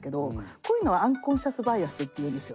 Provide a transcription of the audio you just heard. こういうのはアンコンシャスバイアスっていうんですよね。